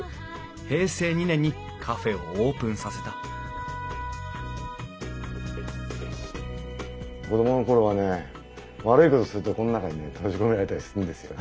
平成２年にカフェをオープンさせた子供の頃はね悪いことするとこの中にね閉じ込められたりするんですよ。